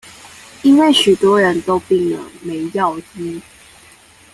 因為許多人都病了沒藥醫